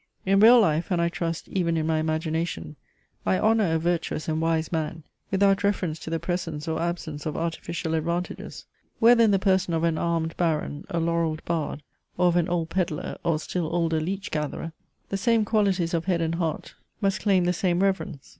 In real life, and, I trust, even in my imagination, I honour a virtuous and wise man, without reference to the presence or absence of artificial advantages. Whether in the person of an armed baron, a laurelled bard, or of an old Pedlar, or still older Leech gatherer, the same qualities of head and heart must claim the same reverence.